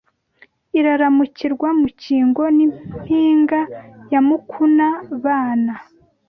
Iraramukirwa Mukingo N’impinga ya Mukuna-bana